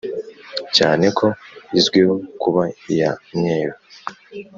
cyane ko izwiho kuba iya mweru